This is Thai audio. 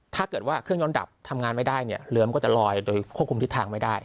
ถ้าเกิดว่าเครื่องยนต์ดับทำงานไม่ได้เนี่ยเรือมันก็จะลอยโดยควบคุมทิศทางไม่ได้